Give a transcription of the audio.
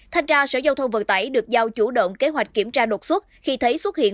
thanh tra sở giao thông vận tải được giao chủ động kế hoạch kiểm tra đột xuất khi thấy xuất hiện